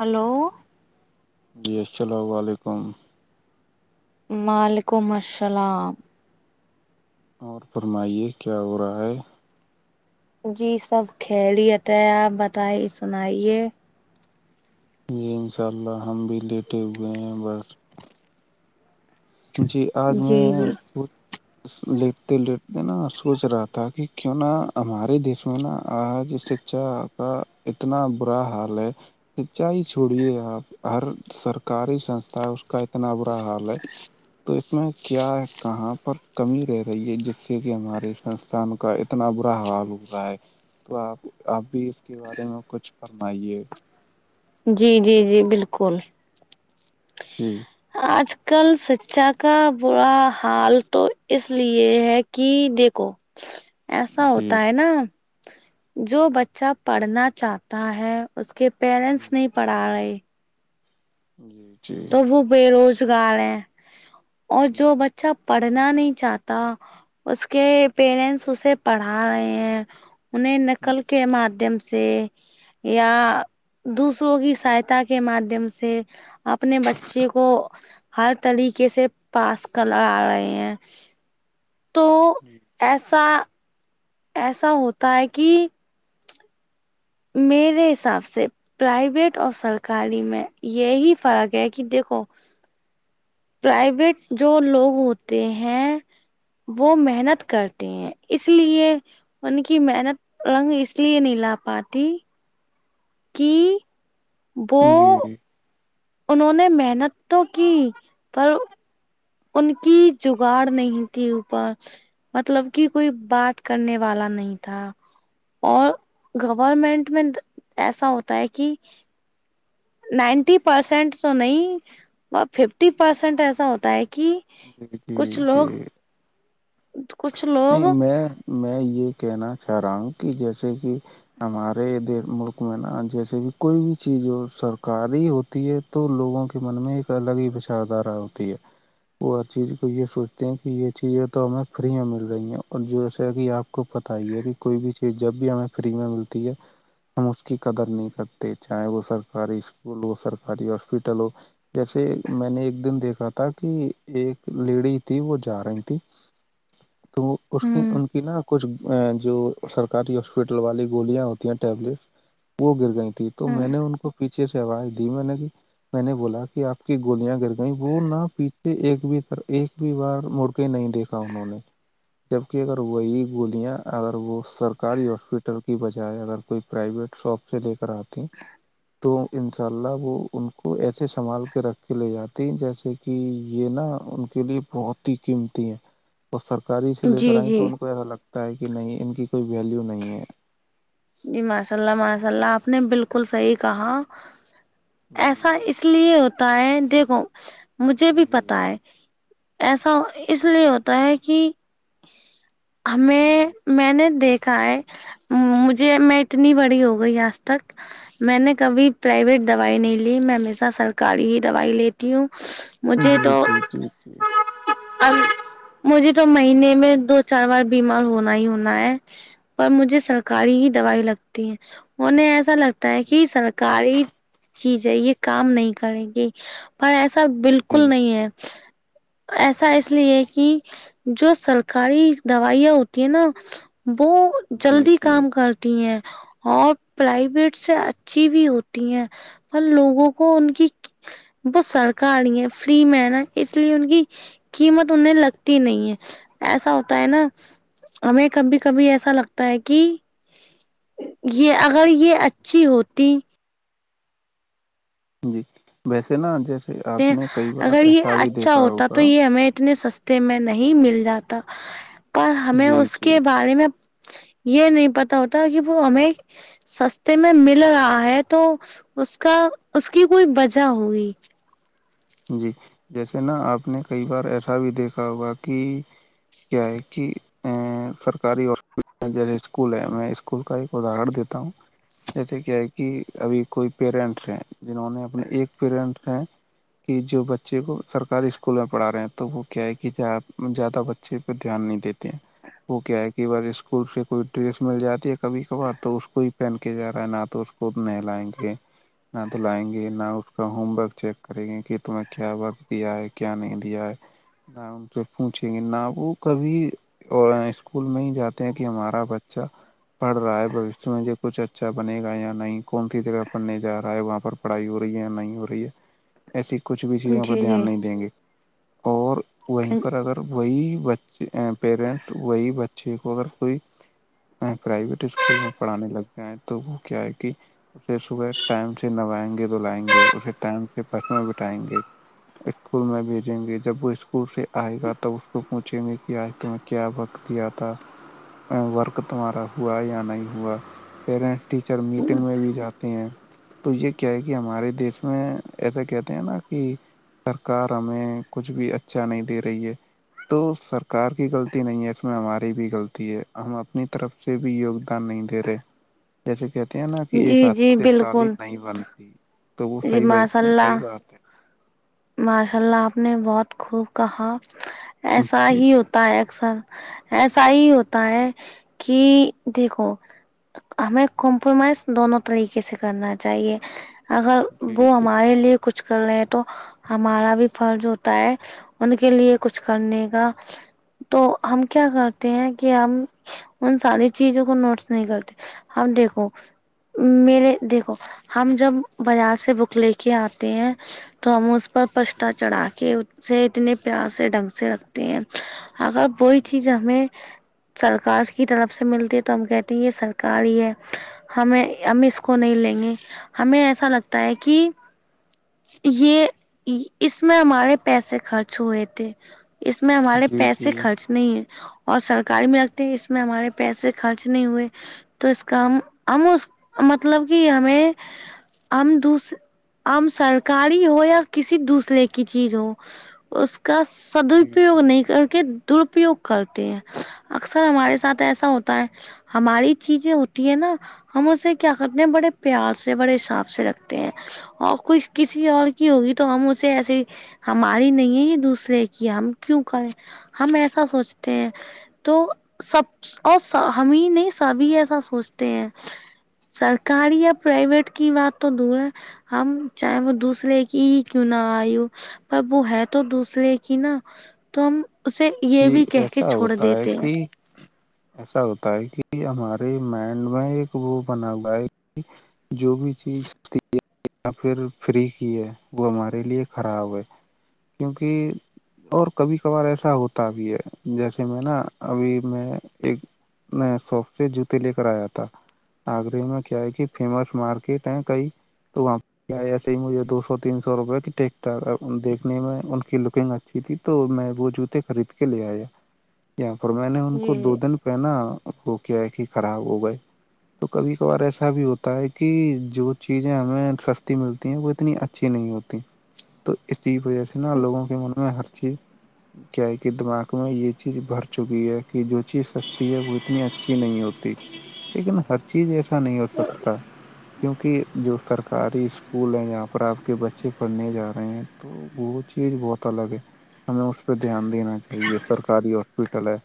hello جی السلام علیکم وعلیکم السلام اور فرمائیے کیا ہو رہا ہے جی سب کھیلتا ہے آپ بتائیے سنائیے جی ان شاء اللہ ہم بھی لیٹے ہوئے ہیں بٹ جی آج جی میں جی لیٹتے لیٹتے نا سوچ رہا تھا کہ کیوں نہ ہمارے دیس میں نا آج سے اچا کا اتنا برا حال ہے سچائی چھوڑیے آپ ہر سرکاری سنستھا ہے اس کا اتنا برا حال ہے تو اس میں کیا ہے کہاں پر کمی رہ رہی ہے جس سے کہ ہمارے سنسھان کا اتنا برا حوال ا رہا ہے تو آپ اب بھی اس کے بارے میں کچھ پڑھنا ہی ہے جی جی جی بالکل جی آج کل شکچا کا برا حال تو اس لیے ہے کہ دیکھو ایسا جی ہوتا ہے نا جو بچہ پڑھنا چاہتا ہے اس کے پیرنٹس جی نہیں پڑھا رہے جی ٹھیک تو وہ بے روزگار ہے اور جو جی بچہ پڑھنا نہیں چاہتا اس کے پیرنٹس اسے پڑھا رہے ہیں انہیں نکل کے ماددھیم سے یا دوسروں کی سہاتا کے مادادھیم سے اپنے بچے کو ہر طریقے سے پاس کر لا رہے ہیں تو جی ٹھیک [unintelligible] ایسا ایسا ہوتا ہے کہ میرے حساب سے پرائیویٹ اور سرکاری میں یہی فرق ہے کہ دیکھو پرائیویٹ جو لوگ ہوتے ہیں وہ محنت کرتے ہیں اس لیے انن کی محنت رنگ اس لیے نہیں لا پاتی [unintelligible] کہ وہو [unintelligible] جی انہوں نے محنت تو کی پر ان کی جگاڑ نہیں تھی اوپر مطلب کہ کوئی بات کرنے والا نہیں تھا اور گورنمنٹ میں ایسا ہوتا ہے کہ نائنٹی پرسینٹ تو نہیں ب ففٹی پرسینٹ ایسا ہوتا ہے کہ جی جی کچھ جی لوگ [unintelligible] کچھ لوگ نہیں میں میں یہ کہنا چاہ رہا ہوں کہ جیسے کہ ہمارے د ملک میں نا جیسے بھی کوئی بھی چیز ہو سرکاری ہوتی ہے تو لوگوں کے من میں ایک الگ ہی بچاردھارا ہوتی ہے وہ ہر چیز کو یہ سوچتے ہیں کہ یہ چیزیں تو ہمیں فری میں مل رہی ہیں اور جیس کہ آپ کو پت ہی ہے کہ کوئی بھی چیز جب بھی ہمیں فری میں ملتی ہے [unintelligible] ہم اس کی قدر نہیں کرتے چاہے وہ سرکاری اسکول ہو سرکاری ہاسپیٹل ہو جیسے میں نے ایک دن دیکھا تھا کہ ایک لیڈی تھی وہ جا رہی تھی تو وہ اس ہ کی ان کی نہا کچھ [unintelligible] ا جو سرکاری ہاسپٹل والی گولیاں ہوتی ہیں ٹیبلیٹس وہ گر گئی تو ہ میں نے ان کو پیچھے سے آواز دی میں نے کہ میں نے بولا کہ آپ کی گولیاں گر کہ وہ نہ پیچھے ایک بھی طر ایک بھی بار مڑ کے نہیں دیکھا انہوں نے [unintelligible] جبکہ اگر وہی گولیاں اگر وہ سرکاری ہاسپیٹل کی بجائے اگر کوئی پرائیویٹ شاپ سے لے کر آتی ہیں تو ان شاء اللہ وہ ان کو ایسے سنبھال کے رکھ کے لے جاتی ہیں جیسے کہ یہ نا ان کے لیے بہت ہی قیمتی ہیں تو سرک گاڑاری سے لے کر جی آئیں جی تو ان کو ایسا لگتا ہے کہ نہیں ان کی کوئی ویلیو نہیں ہے [unintelligible] جی ماشاء اللہ ماشاء اللہ آپ نے بالکل صحیح کہا جی ایسا اس اس لیے ہوتا ہے دیکھو مجھے بھی جی پتا ہے ایسا اس لیے ہوتا ہے کہ ہمیں جی میں نے دیکھ کائے مجھے میں اتنی بڑی ہو گئی آج تک میں نے کبھی پرائیویٹ دوائی نہیں لی میں ہمیشہ سرکاری ہی دوائی لیتی ہوں مجھے جی جی تو جی جی اب مجھے تو مہینے میں دو چار بار بیمار ہونا ہی ہونا ہے پر مجھے سرکاری ہی دوائی لگتی ہیں انہیں ایسا لگتا ہے کہ سرکاری چیز ہے یہ کام نہیں کریں گی پر ایسا بالکل جی نہیں ہے ایسا اس لیے کہ جو سرکاری دوائیاں ہوتی ہیں نا وہ جی جلدی جی کام کر ہیں اور پرائیویٹ سے اچھی بھی ہوتی ہیں ہ لوگوں کو ان کی وہ سرکاری ہے فری مین ہے اس لیے ان کی جی قیمت انیں لگتی نہیں ہے ایسا ہوتا ہے نا ہمیں کبھی کبھی ایسا لگتا ہے کہ یہ اگر یہ اچھی ہوتی جی ویسے نا جیسے آپ نے کئی بار اگر یہ ایسا بھی اچھا دیکھا ہوتا تو ہوگا یہ ہمیں اتنے س میں نہیں مل جاتا پر ہمیں جی اس جی کے جی بارے میں یہ نہیں پتا ہوتا کہ وہ ہمیں سستے میں مل رہا ہے تو اس کا اس کی کوئی وجہ ہوگی جی جیسے نا آپ نے کئی بار ایسا بھی دیکھا ہوگا کہ کیا ہے کہ ا سرکاری ہپٹ جیسے اسکول ہے میں اسکول کا ایک اداہرن دیتا ہوں جیسے کیا ہے کہ ابھی کوئی پییرنٹس ہیں جنہوں نے اپنے ایک پییرنٹس ہیں کہ جو بچے کو سرکاری اسکول میں پڑھا رہے ہیں تو وہ کیا ہے کہ زیادہ بچے اچے پہ دھیان نہیں دیتے وہ کیا ہے کہ بار اسکول سے کوئی ڈریس مل جاتی ہے کبھی کبھار تو اس کو ہی پہن کے جا رہا ہے نہ تو خود نہیں لائیں گے نہ تو لائیں گے نہ اس کا ہوم ورک چیک کریں گے کہ تمہیں کیا وقت دیا ہے کیا نہیں دیا ہے نہ ان پ پوچھیں گے نہ وہ کبھی اور اسکول میں ہی جاتے ہیں کہ ہمارا بچہ پڑھ رہا ہے بھشیہ میں یہ کچھ اچھا بنے گا یا نہیں کون سی جگہ پڑھنے جا رہا ہے وہاں پر پڑھائی ہو رہی ہے یا نہیں ہو رہی ہے ایسی کچھ بھی چیزوں کا جی دھیان نہیں جی دیں گے اور وہیں پر اگر وہی بچے پیرنٹس وہی بچے کو اگر کوئی پرائیویٹ اسکول میں پڑھانے لگ گیا ہے تو وہ کیا ہے کہ اسے صبح ٹائم سے نبائیں گے دلائیں گے اسے ٹائم سے بس میں بٹھائیں گے اسکول میں بھیجیں گے جب وہ اسکول سے آئے گا تب اس کو پوچھیں گے کہ آج تمہیں کیا وقت دیا تھا ورک تمہارا ہوا یا نہیں ہوا پیرنٹس ٹیچر میٹنگ میں بھی جاتے ہیں تو یہ کیا ہے کہ ہمارے دیش میں ایسا کیا نا کہ سرکار ہمیں کچھ بھی اچھا نہیں دے رہی ہے تو سرکار کی غلطی نہیں ہے اس میں ہماری بھی غلطی ہے ہم اپنی طرف سے بھی یگدان نہیں دے رہے جیسے کہتے ہیں نا کہ ایک جی ہھ جی سے تالی بالکل نہیں بن تو وہ جی فائی ماشاء اللہ فائیبا ماشاء اللہ آپ نے بہت خوب کہا ایسا جی ہی جی ہوتا ہے اکثر ایسا ہی ہوتا جی ہے کہ دیکھو ہمیں کمپرومائز دونوں طریقے سے کرنا چاہیے اگر جی وہ جی ہمارے لیے کچھ کر رہے ہیں تو ہمارا بھی فرض ہوتا ہے ان کے لیے کچھ کرنے کا تو ہم کیا کرتے ہیں کہ ہم ان ساری چیزوں کو نوٹس نہیں کرتے ہم دیکھو میرے دیکھو ہم جب بازار سے بک لے کے آتے ہیں تو پر جی پچھتا جی چڑھا کے جی اس سے اتنے پیار سے ڈھنگ سے رکھتے ہیں اگر کوئی چیز جی ہمیں سرکار کی طرف سے ملتی ہے تو ہم کہتے ہیں یہ سرکار ہی ہے ہمیں ہم اس کو نہیں لیں گے ہمیں ایسا لگتا ہے کہ یہ اس میں ہمارے پیسے خرچ ہوئے تھے اس میں ہمارے پیسے جی خرچ نہیں ہے اور سرکاری میں لگتے ہے اس میں ہمارے پیسے خرچ نہیں ہوئے تو اس کا ہم ہم اس مطلب کہ ہمیں ہم دوس ہم سرکاری ہو کسی دوسرے کی چیز ہو اس کا جی سدپیوگ جی نہیں کر کے درپیوگ کرتے ہیں اکثر ہمارے ساتھ ایسا ہوتا ہے ہماری چیزیں ہوتی ہے نا ہم اسے کیا کرتے ہیں بڑے پیار سے بڑے حساباب سے رکھتے ہیں آپ کو کسی اور کی ہوگی تو تو ہم اسے ایسی ہماری نہیں دوسرے کی ہم کیوں کریں ہم ایسا سوچتے ہیں تو سب اور ہمیں نہیں سبھی ایسا سوچتے ہیں سرکاری یا پرائیویٹ کی بات تو دور ہے ہم چاہے وہ دوسرے کی ہی کیوں نہ آئی ہو پر وہ ہے تو دوسرے کی نہا تو ہم اسے یہ جی بھی کہ کے ایسا چھوڑ ہوتا ہے دیتے ہیں کہ ایسا ہوتا ہے کہ ہمارے مائنڈ میں ایک وہ بنا ہوا ہے جو بھی چیز ہوتی ہے یا پھر فری کی ہے وہ ہمارے لیے خراب ہے کیونکہ اور کبھی کبھار ایسا ہوتا بھی ہے جیسے میں نا ابھی میں ایک میں سافٹ وئر جوتے لے کر آیا تھا آگرے میں کیا ہے کہ فیمس مارکیٹ ہے کئی تو وہ کیا ایسے ہی مجھے دو سو تین سو روپئے کی ٹیکٹاک دیکھنے میں ان کی لکنگ اچھی تھی تو میں وہ جوتے خرید کے لے آیا یہاں پر میں نے ان کو دو جی دن پہنا وہ کیا ہے ہی خراب ہو گئے تو کبھی کبھار ایسا بھی ہوتا ہے کہ جو چیزیں ہمیں سستی ملتی ہیں وہ اتنی اچ اچھی نہیں ہوتی تو اسی وجہ سے نا لوگوں کے منوں میں ہر چیز کیا کہ دماغ میں یہ چیز بھر چکی ہے کہ جو چی سستی ہے وہ اتنی اچھی نہیں ہوتی لیکن ہر چیز ایسا نہیں ہو سکتا کیونکہ جو سرکاری اسکول ہیں جہاں پر آپ کے بچے پڑھنے جا رہے ہیں تو وہ چیز بتا لگے ہمیں پہ دھیان دینا چاہیے سرکاری ہاسپٹل ہے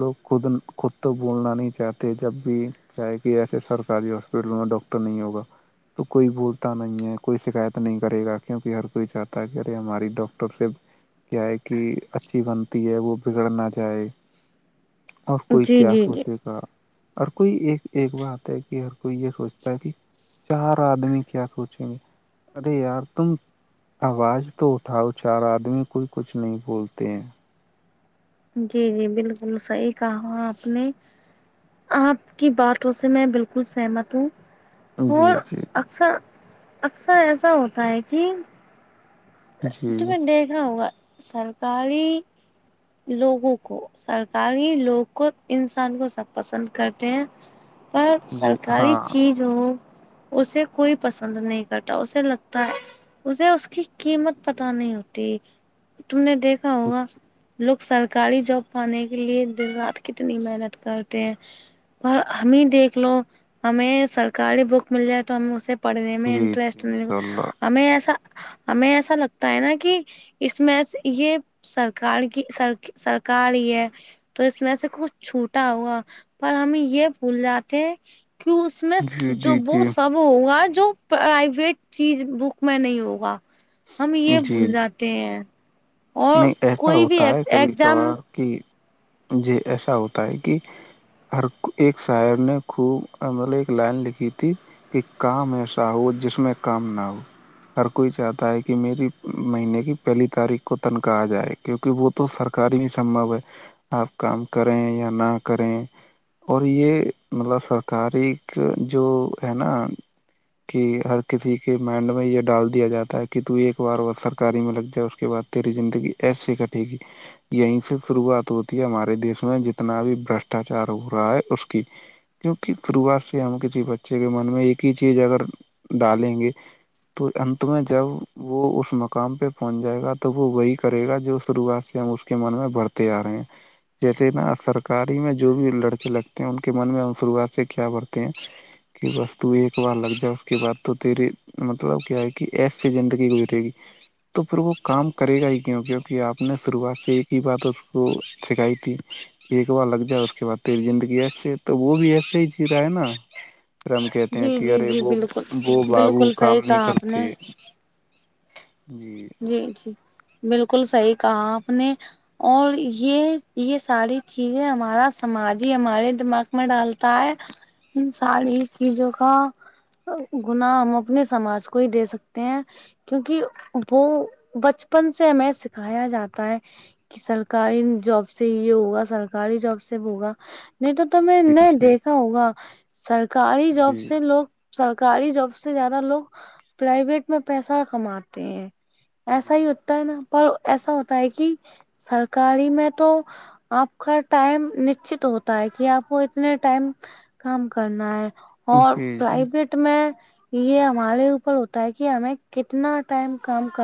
لوگ خود خود تو بولنا نہیں چاہتے جب بھی کیا ہے کہ ایسے سرکاری ہاسپٹلوں میں ڈاکٹر نہیں ہوگا تو کوئی بولتا نہیں ہے کوئی شکایت نہیں کرے گا کیونکہ ہر کوئی چاہتا ہے کہ ارے ہماری ڈاکٹر سے کیا ہے کہ اچھی بنتی ہے وہ بگڑ نہ جائے اور کوئی جی جی کیا جی سوچے جی گا ہر کوئی ایک ایک بات ہے کہ ہر کوئی یہ سوچتا ہے کہ چار آدمی کیا سوچیں گے ارے یار تم آواز تو اٹھاؤ چار آدمی کوئی کچھ نہیں بولتے ہیں جی جی بالکل صحیح کہا آپ نے آپ کی باتوں سے میں بالکل سہمت ہوں جی جی ار اکثر ایسا ہوتا ہے کہ تو جی میں دیکھ رہا ہووںگا سرکاری لوگوں کو سرکار ہی لوگ کو انسان کو سب پسند کرتے ہیں پر جی سرکاری ہاں چیز جو اسے کوئی پسند نہیں کرتا اسے لگتا ہے اسے اس کی قیمت پت جی نہیں ہوتی تم نے دیکھا ہوگا لوگ سرکاری جاب پانے کے لیے دن رات کتنی محنت کرتے ہیں پر ہمیں دیکھ لو ہمیں سرکاری بک مل جائے تو ہم اسے پڑھنے میں جی انٹرسٹ انشاء اللہ ہمیں ایسا ہمیں ایسا لگتا ہے نا کہ اس میں یہ سرکار کی سر سرکار ہی ہے تو اس میں سے کچھ چھوٹا ہوا پر ہم یہ بھول جاتے کہ اس اس میں جی جو جی وہ جی سب ہوگا جو پرائیویٹ چیز بک میں نہیں ہوگا ہم یہ جی بھول جاتے ہیں اور نہیں ایسا کوئی بھی ہوتا ہے کبھی ایگزام کبھار کہ م جے ایسا ہوتا ہے کہ ہر ایک شاعر نے خوب مطلب ایک لائن لکھی تھی کہ کام ایسا ہو جس میں کام نہ ہو ہر کوئی چاہتا ہے کہ میری مہینے کی پہلی تاریخ کو تن کہاہا جائے کیونکہ وہ تو سرکاری نہیں سمبو ہے آپ کام کریں یا نہ کریں اور یہ مطلب سرکاری جو ہے نا کہ ہر کسی کے مائنڈ میں یہ ڈال دیا جاتا ہے کہ تو ایک بار ب سرکاری میں لگ جائے اس کے بعد تری زندگی ایسی کٹے گی یہیں سے شروعات ہوتی ہے ہمارے دیش میں جتنا بھی برشٹاچار ہو رہا ہے اس کی کیونکہ شروعات سے ہم کسی بچے کے من میں ایک ہی چیز اگر ڈالیں گے تو اننت میں جب وہ اس مقام پہ پہنچ جائے گا تو تو وہ وہی کرے گا جو شروعات سے ہم اس کے من میں بڑھتے آ رہے ہیں جیسے نا سرکاری میں جو بھی لڑکے لگتے ہیں ان کے من میں ہم شروعات سے کیا بڑھتے ہیں کہ وستو ایک بار لگ جائے اس کے بعد تو تیرے مطلب کیا ہے کہ ایسسی زندگی گزرے گی تو پھر وہ کام کرے گا ہی کیوں کیونکہ آپ نے شروعات سے ایک ہی بات اس کو سکھائی تھی ایک بار لگ جائے اس کے بعد تیری زندگی ایسی ہے تو وہ بھی ایسے ہی چی رہا ہے نا پھر ہم کہتے ہیں جی کہ جی ارے جی وہ بالکل وہ بابو بالکل کام صحیح نہیں کہا آپ کرتے نے جی جی جی بالکل صحیح کہا آپ نے اور یہ یہ ساری چیزیں ہمارا سماج ہی ہمارے دماغ میں ڈالتا ہے ساری چیزوں کا گنااہ ہم اپنے سماج کو ہی دے سکتے ہیں کیونکہ وہ بچپن سے ہمیں سکھایا جاتا ہے کہ سرکاری جاب سے یہ ہوگا سرکاری جاب سے ہوگا نہیں تو تو میں جی نہیں جی دیکھا ہوگا سرکاری جاب جی سے لوگ سرکاری جاب سے زیادہ لوگ پرائویٹ میں پیسہ کماتے ہیں ایسا جی ہی ہوتا ہے نا پر ایسا ہوتا ہے کہ سرکاری میں تو آپ کا ٹائم نشچت ہوتا ہے کہ آپ کو اتنے ٹائم کام کرنا اور جی جی پرائیویٹ میں یہ ہمارے اوپر ہوتا ہے کہ ہمیں کتنا ٹائم کام کر